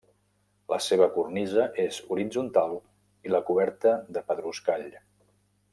La seva cornisa és horitzontal i la coberta de pedruscall.